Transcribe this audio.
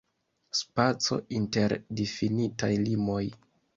Spaco inter difinitaj limoj.